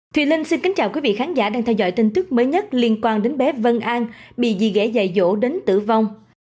thùy linh xin kính chào quý vị khán giả đang theo dõi tin tức mới nhất liên quan đến bé vân an bị dị ghẻ dỗ đến tử vong